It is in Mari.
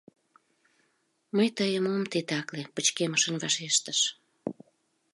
Мый тыйым ом титакле, — пычкемышын вашештыш.